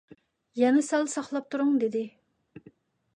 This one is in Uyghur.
«يەنە سەل ساقلاپ تۇرۇڭ» دېدى.